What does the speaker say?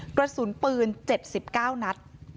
กระสุนปืน๗๙นัด